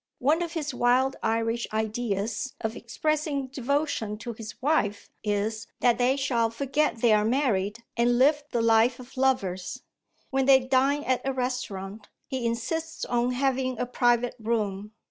One of his wild Irish ideas of expressing devotion to his wife is, that they shall forget they are married, and live the life of lovers. When they dine at a restaurant, he insists on having a private room.